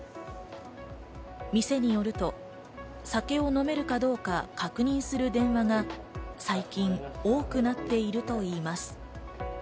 店によると、酒を飲めるかどうかを確認する電話が最近多くなっているといいます。